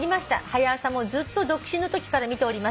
「『はや朝』もずっと独身のときから見ております」